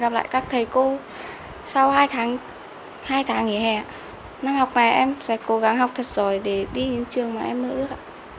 gặp lại các thầy cô sau hai tháng nghỉ hè năm học này em sẽ cố gắng học thật rồi để đi những trường mà em mơ ước